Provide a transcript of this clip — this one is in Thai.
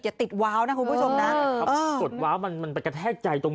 ติดว้าวนะคุณผู้ชมนะกดว้าวมันมันไปกระแทกใจตรง